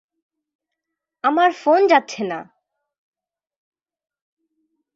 আমার ফোন যাচ্ছে না।